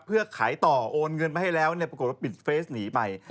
เพื่อขายต่อโอนเงินมาให้แล้วปรากฏว่าปิดเฟสหนีไป